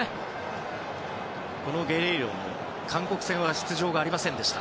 ゲレイロも韓国戦は出場がありませんでした。